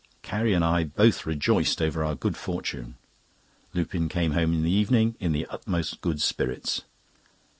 Carrie and I both rejoiced over our good fortune. Lupin came home in the evening in the utmost good spirits.